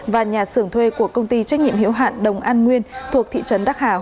và nhà sưởng thuê của công ty trách nhiệm hiếu hạn đồng an tp quy nhơn tỉnh bình định